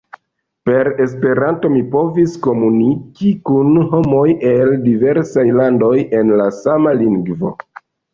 Per Esperanto mi povis komuniki kun homoj el diversaj landoj en la sama lingvo.